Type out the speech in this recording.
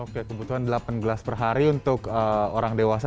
oke kebutuhan delapan gelas per hari untuk orang dewasa